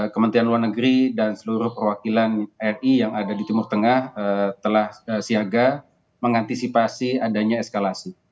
kementerian luar negeri dan seluruh perwakilan ri yang ada di timur tengah telah siaga mengantisipasi adanya eskalasi